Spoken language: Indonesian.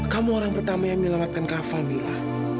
kamu orang pertama yang menyelamatkan kamu mila